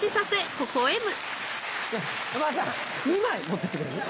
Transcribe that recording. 山田さん２枚持ってってくれる？